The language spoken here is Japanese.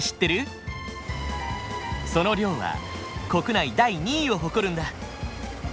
その量は国内第２位を誇るんだ。